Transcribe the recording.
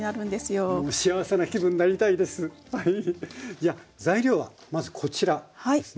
じゃあ材料はまずこちらですね。